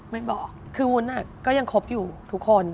ไม่บอกคือวุ้นก็ยังคบอยู่ทุกคน